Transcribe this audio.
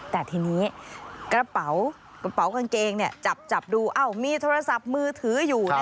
แต่ทีนี้กระเป๋ากางเกงจับดูมีโทรศัพท์มือถืออยู่